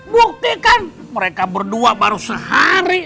buktikan mereka berdua baru sehari